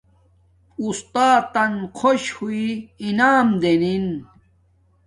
اُستات خوش ہوݵ انعام دینن